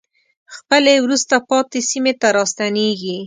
خپلې وروسته پاتې سیمې ته راستنېږي.